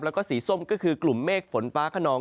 แล้วก็สีส้มก็คือกลุ่มเมฆฝนฟ้าขนอง